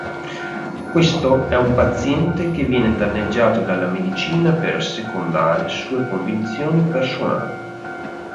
Questo è un paziente che viene danneggiato dalla medicina per assecondare sue convinzioni personali.